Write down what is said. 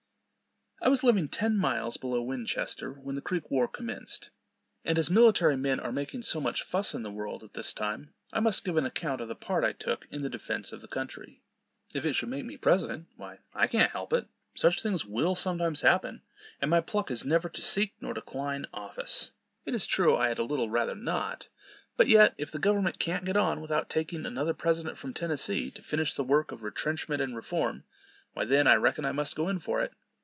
I was living ten miles below Winchester when the Creek war commenced; and as military men are making so much fuss in the world at this time, I must give an account of the part I took in the defence of the country. If it should make me president, why I can't help it; such things will sometimes happen; and my pluck is, never "to seek, nor decline office." It is true, I had a little rather not; but yet, if the government can't get on without taking another president from Tennessee, to finish the work of "retrenchment and reform," why, then, I reckon I must go in for it.